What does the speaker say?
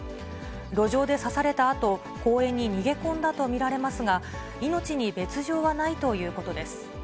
路上で刺されたあと、公園に逃げ込んだと見られますが、命に別状はないということです。